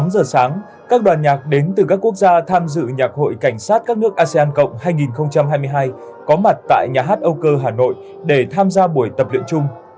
tám giờ sáng các đoàn nhạc đến từ các quốc gia tham dự nhạc hội cảnh sát các nước asean cộng hai nghìn hai mươi hai có mặt tại nhà hát âu cơ hà nội để tham gia buổi tập luyện chung